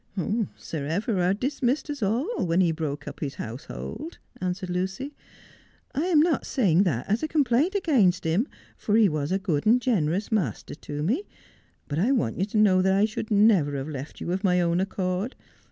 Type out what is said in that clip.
' Sir Everard dismissed us all when he broke up his house hold,' answered Lucy. ' I am not saying that as a complaint against him, for he was a good and generous master to me, but I want you to know that I should never have left you of my own accord.